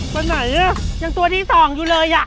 ไปไหนนี่ยังตัวที่สองอยู่เลย